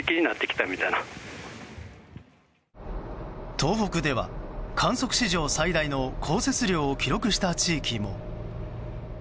東北では観測史上最大の降雪量を記録した地域も。